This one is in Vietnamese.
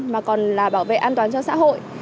mà còn là bảo vệ an toàn cho xã hội